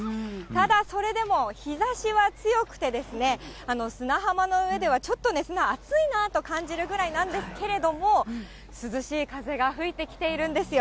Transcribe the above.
ただ、それでも日ざしは強くて、砂浜の上ではちょっと砂、熱いなと感じるぐらいなんですけども、涼しい風が吹いてきているんですよ。